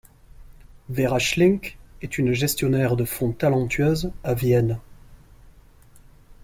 Vera Schlink est une gestionnaire de fonds talentueuse à Vienne.